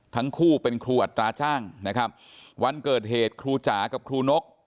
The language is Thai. ทั้งคู่เป็นครูอัตราจ้างนะครับวันเกิดเหตุครูจ๋ากับครูนก